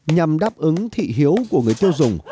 nhằm đáp ứng thị hiếu của người tiêu dùng